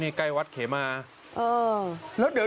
นี่ใกล้วัดเขมา